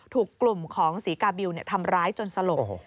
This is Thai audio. ถูกกลุ่มของศรีกาบิลทำร้ายจนสลบ